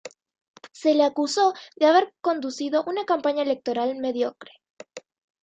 Se le acusó de haber conducido una campaña electoral mediocre.